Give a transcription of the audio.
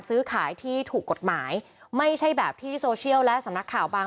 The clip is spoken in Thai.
ซื้อขายที่ถูกกฎหมายไม่ใช่แบบที่โซเชียลและสำนักข่าวบาง